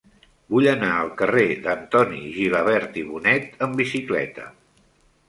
Vull anar al carrer d'Antoni Gilabert i Bonet amb bicicleta.